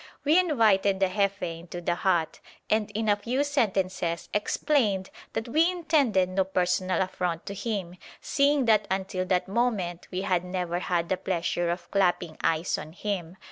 We invited the Jefe into the hut, and in a few sentences explained that we intended no personal affront to him, seeing that until that moment we had never had the pleasure of clapping eyes on him.